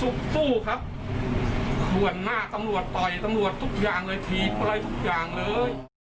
สู้ครับถ่วนหน้าตำรวจต่อยตำรวจทุกอย่างเลยถีบอะไรทุกอย่างเลย